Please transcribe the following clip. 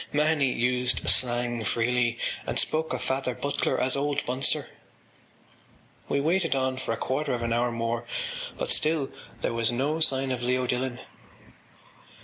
Mahony used slang freely, and spoke of Father Butler as Old Bunser. We waited on for a quarter of an hour more but still there was no sign of Leo Dillon.